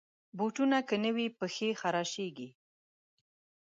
بوټونه که نه وي، پښې خراشانېږي.